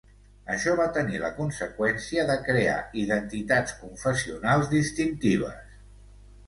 Això va tenir la conseqüència de crear identitats confessionals distintives.